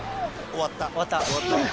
終わったね。